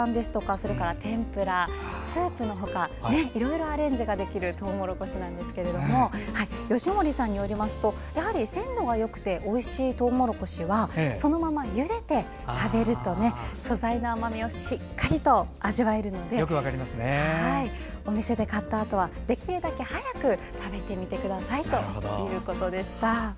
それから天ぷら、スープのほかいろいろアレンジができるトウモロコシなんですけれども吉守さんによりますと鮮度がよくておいしいトウモロコシはそのままゆでて食べると素材の甘みをしっかりと味わえるのでお店で買ったあとはできるだけ早く食べてくださいということでした。